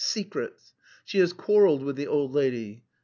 Secrets. She has quarrelled with the old lady.